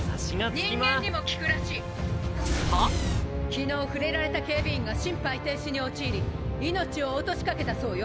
昨日触れられた警備員が心肺停止に陥り命を落としかけたそうよ。